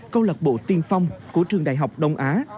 câu lạc bộ tiên phong của trường đại học đông á